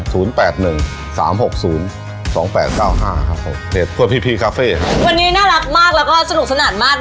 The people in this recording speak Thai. ครับนะวันนี้น่ารักมากแล้วก็สนุกสนั่นมาก